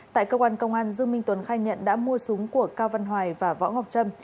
tại cơ quan công an dương minh tuấn khai nhận đã mua súng của cao văn hoài và võ ngọc trâm